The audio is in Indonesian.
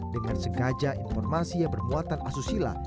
dengan sengaja informasi yang bermuatan asusila